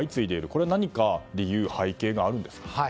これは何か理由、背景があるんですか。